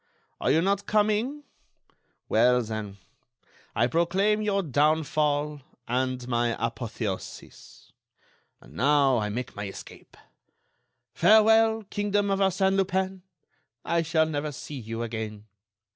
Are you not coming? Well, then, I proclaim your downfall and my apotheosis. And now I make my escape. Farewell, kingdom of Arsène Lupin! I shall never see you again.